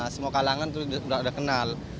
semua kalangan tuh udah kenal